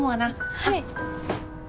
はい！